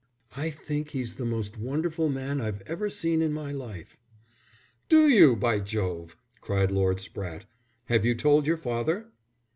"I think he's the most wonderful man I've ever seen in my life." "Do you, by Jove!" cried Lord Spratte. "Have you told your father?"